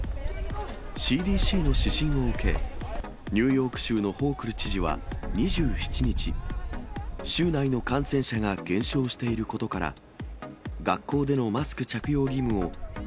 ＣＤＣの指針を受け、ニューヨーク州のホークル知事は２７日、州内の感染者が減少していることから、